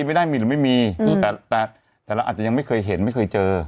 มันนี่เท่านั้นแม่